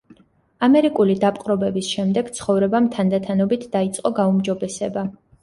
ამერიკული დაპყრობების შემდეგ, ცხოვრებამ თანდათანობით დაიწყო გაუმჯობესება.